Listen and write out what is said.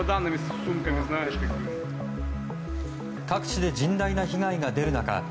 各地で甚大な被害が出る中